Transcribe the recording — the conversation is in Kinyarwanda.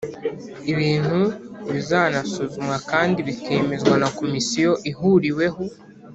ibintu “bizanasuzumwa kandi bikemezwa na komisiyo ihuriweho